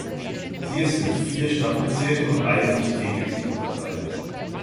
Sie ist in vier Stadtbezirke und ein Industriegebiet unterteilt.